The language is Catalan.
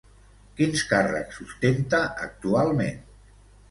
Quins càrrecs ostenta actualment?